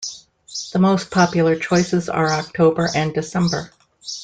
The most popular choices are October and December.